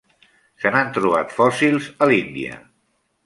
Se n'han trobat fòssils a l'Índia.